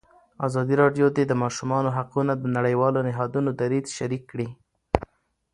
ازادي راډیو د د ماشومانو حقونه د نړیوالو نهادونو دریځ شریک کړی.